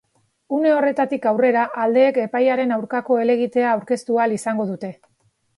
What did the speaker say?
Une horretatik aurrera, aldeek epaiaren aurkako helegitea aurkeztu ahal izango dute.